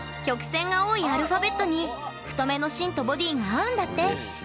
曲線が多いアルファベットに太めの芯とボディが合うんだって！